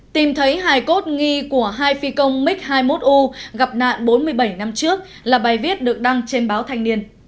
tìm thấy hài cốt nghi của hai phi công mig hai mươi một u gặp nạn bốn mươi bảy năm trước là bài viết được đăng trên báo thanh niên